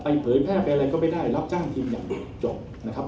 ไปเผยแพร่ไปอะไรก็ไม่ได้รับจ้างพิมพ์อย่างเดียวจบ